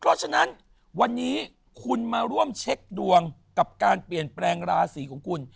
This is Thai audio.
เพราะฉะนั้นวันนี้คุณมาร่วมเช็คดวงกับการเปลี่ยนแปลงราศีของคุณ